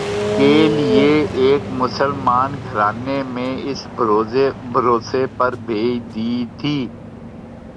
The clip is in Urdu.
کے لئے ایک مسلمان گھرانے میں اِس بھروسے پر بھیج دی تھی